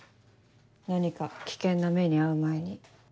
何か危険な目に遭う前に。